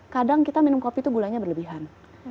kadang kita minum kopi itu gulanya berlebihan